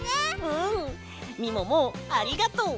うんみももありがとう。